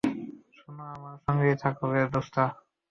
শোনো, আমার সঙ্গেই থাকো, দোস্ত।